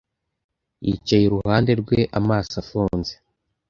Yicaye iruhande rwe amaso afunze.